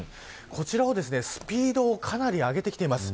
こちらを、スピードをかなり上げてきています。